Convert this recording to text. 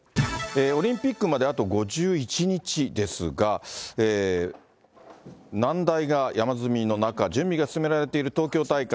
オリンピックまであと５１日ですが、難題が山積みの中、準備が進められている東京大会。